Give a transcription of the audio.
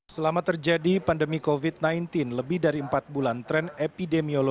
selamat pagi berhati hati